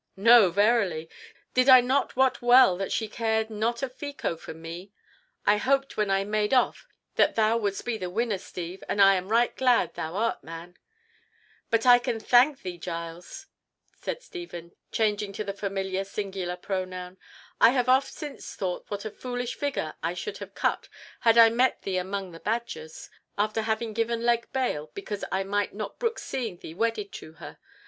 "No, verily. Did I not wot well that she cared not a fico for me? I hoped when I made off that thou wouldst be the winner, Steve, and I am right glad thou art, man." "I can but thank thee, Giles," said Stephen, changing to the familiar singular pronoun. "I have oft since thought what a foolish figure I should have cut had I met thee among the Badgers, after having given leg bail because I might not brook seeing thee wedded to her.